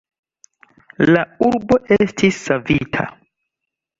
La urbo estis savita.